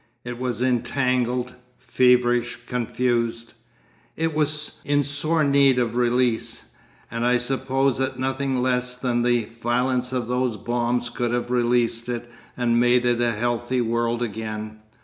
It was entangled, feverish, confused. It was in sore need of release, and I suppose that nothing less than the violence of those bombs could have released it and made it a healthy world again.